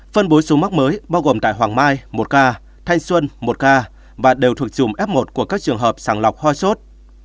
phân bối số mắc mới bao gồm tại hoàng mai một ca thanh xuân một ca và đều thuộc dùm f một của các trường hợp sẵn lọc hoa sốt